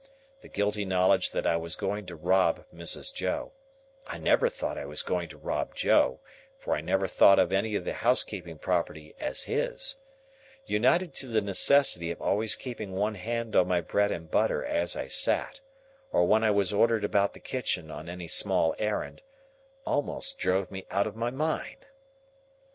The guilty knowledge that I was going to rob Mrs. Joe—I never thought I was going to rob Joe, for I never thought of any of the housekeeping property as his—united to the necessity of always keeping one hand on my bread and butter as I sat, or when I was ordered about the kitchen on any small errand, almost drove me out of my mind.